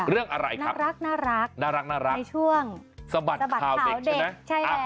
เรื่องอะไรครับรักน่ารักในช่วงสะบัดข่าวเด็กใช่ไหม